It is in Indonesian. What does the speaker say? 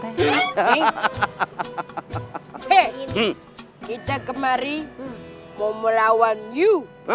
hei kita kemari mau melawan you